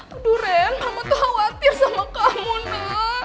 aduh ren mama tuh khawatir sama kamu no